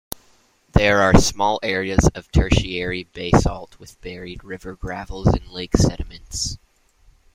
There are small areas of Tertiary basalt with buried river gravels and lake sediments.